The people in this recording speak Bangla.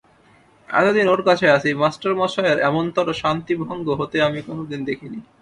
এতদিন ওঁর কাছে আছি, মাস্টারমশায়ের এমনতরো শান্তিভঙ্গ হতে আমি কোনোদিন দেখি নি।